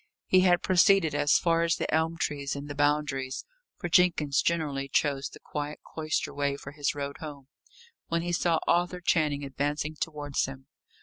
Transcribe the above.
He had proceeded as far as the elm trees in the Boundaries for Jenkins generally chose the quiet cloister way for his road home when he saw Arthur Channing advancing towards him.